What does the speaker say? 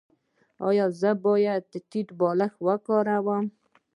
ایا زه باید ټیټ بالښت وکاروم؟